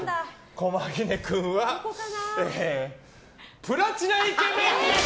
駒木根君はプラチナイケメンです！